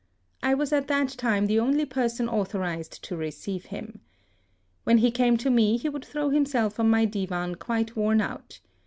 I was at that time the only person authorised to receive him. When he came to me he would throw himself on my divan quite worn out.